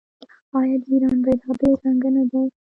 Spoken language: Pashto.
آیا د ایران بیرغ درې رنګه نه دی؟